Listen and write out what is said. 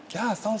ya bagus sekali